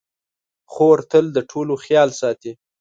خور تل د ټولو خیال ساتي.